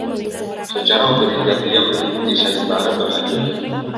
Secara otodidak, dia mengikuti sayembara berhadiah.